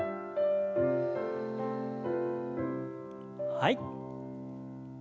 はい。